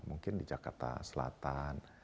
mungkin di jakarta selatan